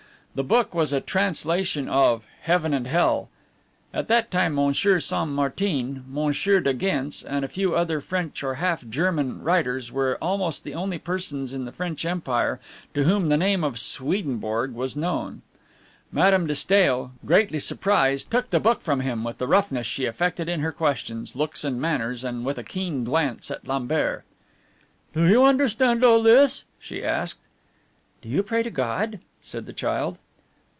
The book was a translation of Heaven and Hell. At that time Monsieur Saint Martin, Monsieur de Gence, and a few other French or half German writers were almost the only persons in the French Empire to whom the name of Swedenborg was known. Madame de Stael, greatly surprised, took the book from him with the roughness she affected in her questions, looks, and manners, and with a keen glance at Lambert, "Do you understand all this?" she asked. "Do you pray to God?" said the child.